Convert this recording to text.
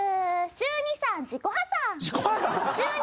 週２３自己破産